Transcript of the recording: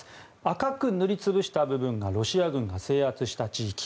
赤く塗りつぶした部分がロシア軍が制圧した地域。